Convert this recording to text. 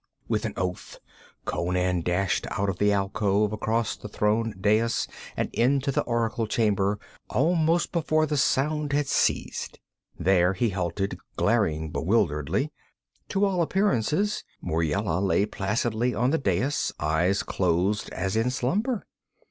With an oath Conan dashed out of the alcove, across the throne dais and into the oracle chamber, almost before the sound had ceased. There he halted, glaring bewilderedly. To all appearances Muriela lay placidly on the dais, eyes closed as in slumber.